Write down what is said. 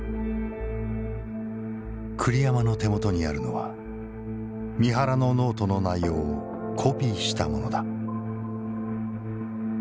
栗山の手元にあるのは三原のノートの内容をコピーしたものだ。